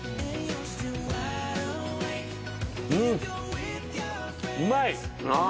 うん、うまい。